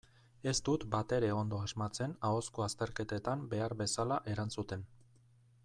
Ez dut batere ondo asmatzen ahozko azterketetan behar bezala erantzuten.